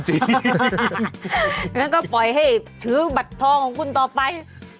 แล้วก็ปล่อยให้ถือบัตรทองของคุณต่อไป